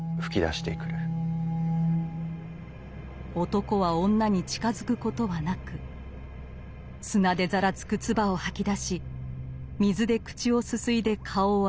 男は女に近づくことはなく砂でざらつく唾を吐き出し水で口をすすいで顔を洗います。